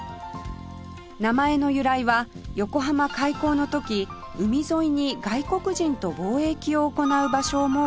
名前の由来は横浜開港の時海沿いに外国人と貿易を行う場所を設け